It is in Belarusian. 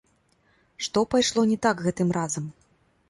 Што пайшло не так гэтым разам?